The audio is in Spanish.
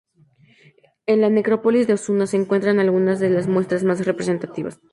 En la necrópolis de Osuna se encuentran algunas de las muestras más representativas.